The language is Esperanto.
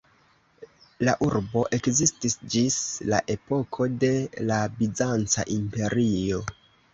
La urbo ekzistis ĝis la epoko de la Bizanca Imperio.